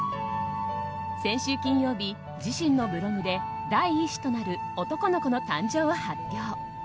先週金曜日、自身のブログで第１子となる男の子の誕生を発表。